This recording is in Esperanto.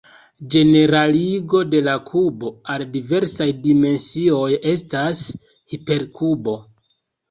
Ĝeneraligo de la kubo al diversaj dimensioj estas "hiperkubo".